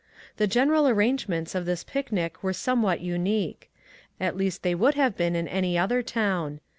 The general arrangements of this picnic were somewhat unique. At least they would have been in any other town.